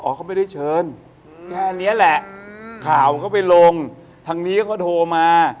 เขาไม่ได้เชิญแค่นี้แหละข่าวเขาไปลงทางนี้ก็เขาโทรมา